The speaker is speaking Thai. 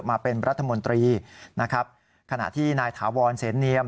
มาเป็นรัฐมนตรีขณะที่นายถาวรเศรษฐ์เนียม